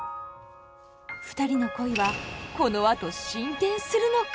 ふたりの恋はこのあと進展するのか。